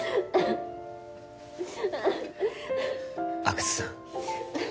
阿久津さん